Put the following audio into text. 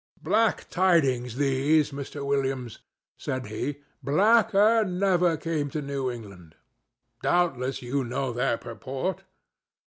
"Black tidings these, Mr. Williams," said he; "blacker never came to New England. Doubtless you know their purport?"